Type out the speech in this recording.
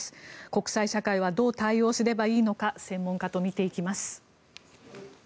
国際社会はどう対応すればいいのか専門家と見ていきます。